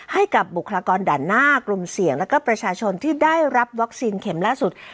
ให้กับบุคลากรด่านหน้ากลุ่มเสี่ยงแล้วก็ประชาชนที่ได้รับวัคซีนเข็มล่าสุด